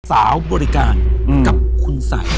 สาวบริการกับคุณสัย